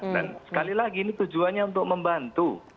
dan sekali lagi ini tujuannya untuk membantu